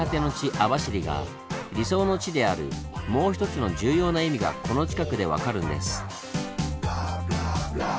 網走が「理想の地」であるもう一つの重要な意味がこの近くで分かるんです。